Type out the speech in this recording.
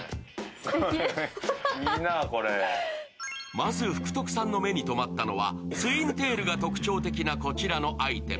まず、福徳さんの目にとまったのは、ツインテールが特徴的なこちらのアイテム。